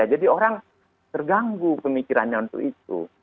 jadi orang terganggu pemikirannya untuk itu